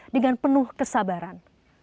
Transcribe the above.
dengan penuh kesabaran